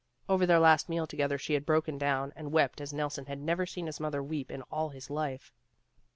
Over their last meal together she had broken down, and wept as Nelson had never seen his mother weep in all his life.